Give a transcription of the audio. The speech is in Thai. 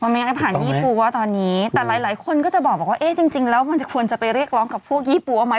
ไม่งั้นผ่านยี่ปั๊วตอนนี้แต่หลายหลายคนก็จะบอกว่าเอ๊ะจริงแล้วมันควรจะไปเรียกร้องกับพวกยี่ปั๊วไหม